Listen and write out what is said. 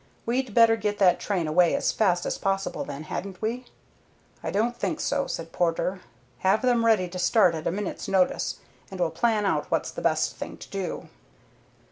We'd better get that train away as fast as possible then, hadn't we?" "I don't think so," said Porter. "Have them ready to start at a minute's notice, and we'll plan out what's the best thing to do."